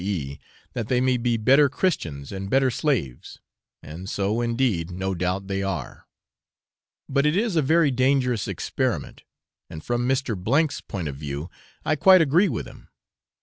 e., that they may be better Christians and better slaves and so, indeed, no doubt they are; but it is a very dangerous experiment, and from Mr. O 's point of view I quite agree with him.